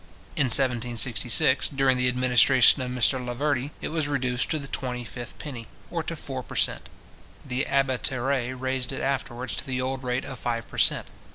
In 1766, during the administration of Mr Laverdy, it was reduced to the twenty fifth penny, or to four per cent. The Abbé Terray raised it afterwards to the old rate of five per cent.